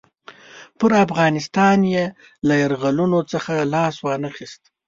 پر افغانستان یې له یرغلونو څخه لاس وانه خیست.